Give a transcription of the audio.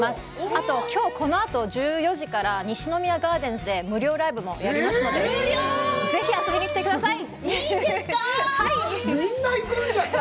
あと、きょうこのあと、１４時から西宮ガーデンズで無料ライブもやりますので、ぜひ遊びに来てください。